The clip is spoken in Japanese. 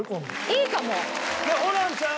いいかも！